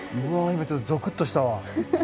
今ちょっとゾクっとしたわ。